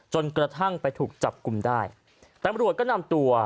จนกระทั่งไปถูกจับกลุ่มได้ตำรวจก็นำตัว